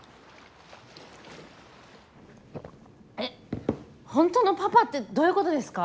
えっ本当のパパってどういうことですか？